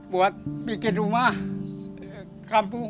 buat bikin rumah kampung